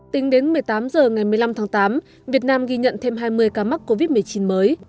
tính đến một mươi tám h ngày một mươi năm tháng tám việt nam ghi nhận thêm hai mươi ca mắc covid một mươi chín mới